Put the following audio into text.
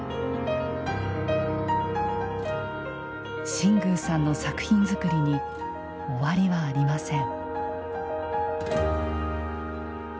新宮さんの作品づくりに終わりはありません。